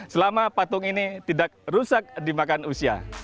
selama patung ini tidak rusak di makan usia